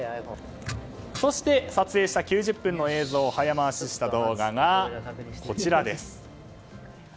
そして撮影した９０分の映像を早回しした動画です。